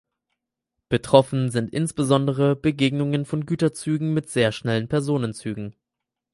Betroffen sind insbesondere Begegnungen von Güterzügen mit sehr schnellen Personenzügen.